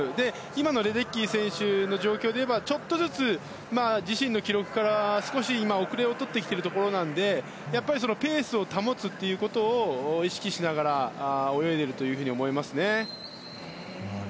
今のレデッキー選手の状況でいえばちょっとずつ自身の記録から少し遅れをとってきているところなのでペースを保つということを意識しながら泳いでいると思いますね。